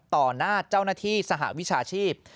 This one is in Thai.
หน้าเจ้าหน้าที่สหวิชาชีพ